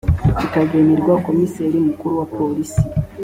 ikagenerwa komiseri mukuru wa polisi